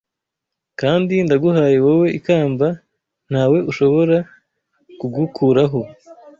Kandi ndaguhaye wowe ikamba ntawe ushobora kugukuraho